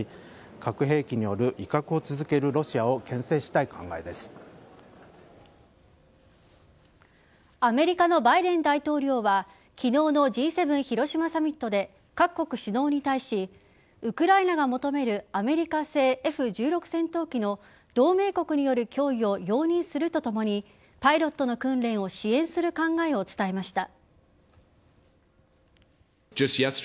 核兵器による威嚇を続けるロシアをアメリカのバイデン大統領は昨日のＧ７広島サミットで各国首脳に対しウクライナが求めるアメリカ製Ｆ‐１６戦闘機の同盟国による供与を容認するとともにパイロットの訓練を支援する考えを伝えました。